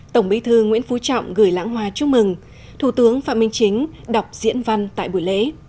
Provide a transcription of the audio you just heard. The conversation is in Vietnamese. tổng bí thư nguyễn phú trọng gửi lãng hoa chúc mừng thủ tướng phạm minh chính đọc diễn văn tại buổi lễ